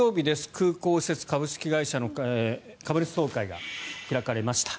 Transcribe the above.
空港施設株式会社の株主総会が開かれました。